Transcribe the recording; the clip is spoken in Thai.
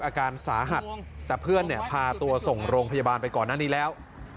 อาการสาหัสแต่เพื่อนเนี่ยพาตัวส่งโรงพยาบาลไปก่อนหน้านี้แล้ว